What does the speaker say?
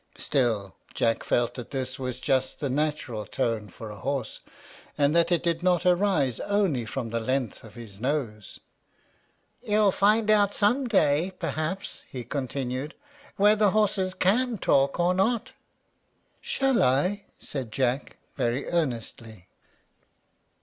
Still Jack felt that his was just the natural tone for a horse, and that it did not arise only from the length of his nose. "You'll find out some day, perhaps," he continued, "whether horses can talk or not." "Shall I?" said Jack, very earnestly.